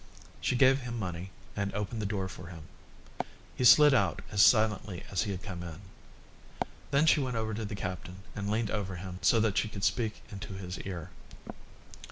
She gave him money and opened the door for him. He slid out as silently as he had come in. Then she went over to the captain and leaned over him so that she could speak into his ear.